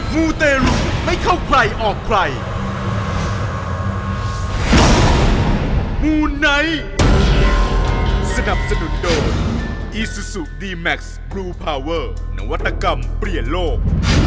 มูไนท์สนับสนุนโดดอีซุซูดีแมคซ์บลูพาเวอร์นวัตกรรมเปลี่ยนโลก